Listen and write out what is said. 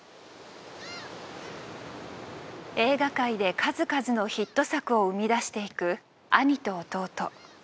映画界で数々のヒット作を生み出していく兄と弟。